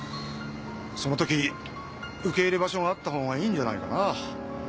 その時受け入れ場所があったほうがいいんじゃないかな。